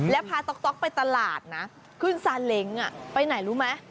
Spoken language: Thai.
แล้วพาต๊อกไปตลาดนะขึ้นซาเล้งไปไหนรู้ไหม